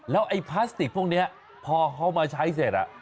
แล้วไอ้พลาสติกพวกนี้พอเขามาใช้เสร็จ